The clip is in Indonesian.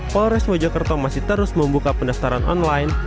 polres mojokerto masih terus membuka pendaftaran online